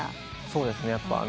そうですね。